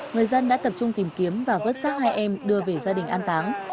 người dân đã tập trung tìm kiếm và vớt sát hai em đưa về gia đình an táng